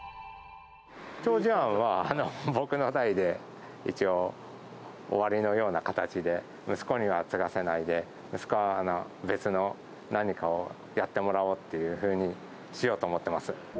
長寿庵は、僕の代で、一応、終わりのような形で、息子には継がせないで、息子は別の何かをやってもらおうっていうふうにしようと思ってま